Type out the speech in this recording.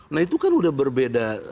nah itu kan udah berbeda